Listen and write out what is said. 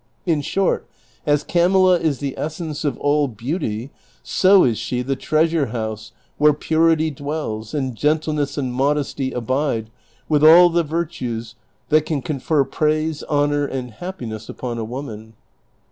In short, as Camilla is the essence of all beauty, so is she the treasure house where purity dwells, and gentleness and modestj' abide with all the virtues that can confer praise, honor, and happiness upon a woman.